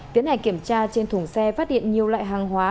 tiến hành kiểm tra trên thùng xe phát hiện nhiều loại hàng hóa